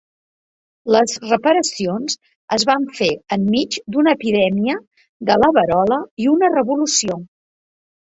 Les reparacions es van fer enmig d'una epidèmia de la verola i una revolució.